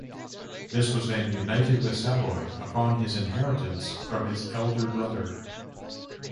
This was then united with Savoy upon his inheritance from his elder brother.